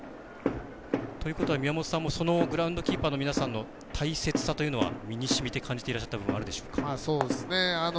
宮本さんもそのグラウンドキーパーの皆さんの大切さというのは身にしみて感じてらっしゃった部分、あるでしょうか？